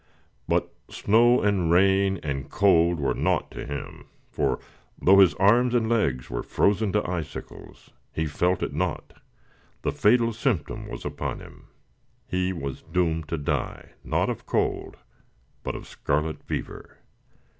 But snow and rain, and cold were naught to him; for, though his arms and legs were frozen to icicles, he felt it not; the fatal symptom was upon him; he was doomed to die not of cold, but of scarlet fever!